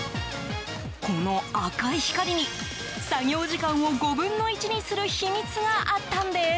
この赤い光に作業時間を５分の１にする秘密があったんです。